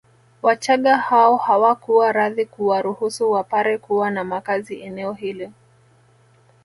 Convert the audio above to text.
Wachagga hao hawakuwa radhi kuwaruhusu Wapare kuwa na makazi eneo hili